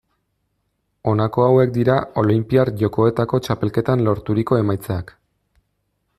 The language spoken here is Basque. Honako hauek dira Olinpiar Jokoetako txapelketan lorturiko emaitzak.